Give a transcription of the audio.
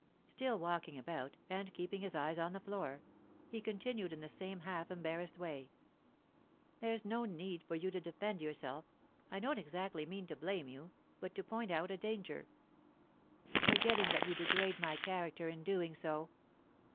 Still walking about, and keeping his eyes on the floor, he continued in the same half embarrassed way: "There's no need for you to defend yourself. I don't exactly mean to blame you, but to point out a danger." "Forgetting that you degrade my character in doing so."